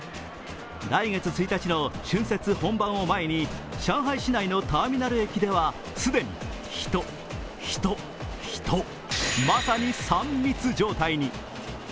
来月１日の春節本番を前に上海市内のターミナル駅では既に、人、人、人まさに３密状態に。